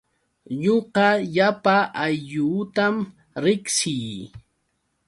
Ñuqa llapa aylluutam riqsii.